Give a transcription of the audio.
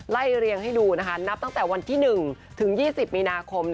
เรียงให้ดูนะคะนับตั้งแต่วันที่๑ถึง๒๐มีนาคม